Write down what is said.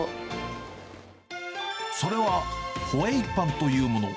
それは、ホエイパンというもの。